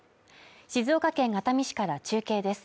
静岡県熱海市から中継です。